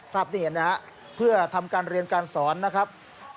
ภาพที่เห็นนะครับเพื่อทำการเรียนการสอนนะครับ